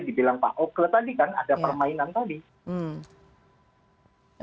dibilang pak oke tadi kan ada permainan tadi